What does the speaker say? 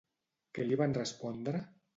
Què li van respondre?